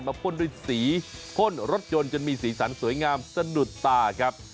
พ่นด้วยสีพ่นรถยนต์จนมีสีสันสวยงามสะดุดตาครับ